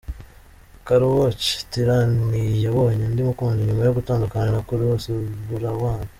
Karowoce Tirani yabonye undi mukunzi nyuma yo gutandukana na kurisi Burawuni